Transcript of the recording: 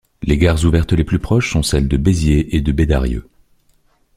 Les gares ouvertes les plus proches sont celles de Béziers et de Bédarieux.